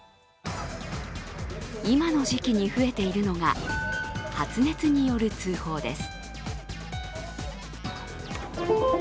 今の時期に増えているのが発熱による通報です。